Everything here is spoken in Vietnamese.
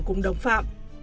cùng đồng phạm